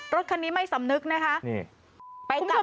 รถคันนี้ไม่สำนึกนะคะ